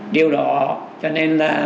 điều đó cho nên là